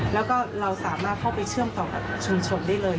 แล้วก็เราสามารถเข้าไปเชื่อมต่อกับชุมชนได้เลย